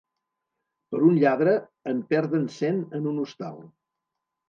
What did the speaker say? Per un lladre en perden cent en un hostal.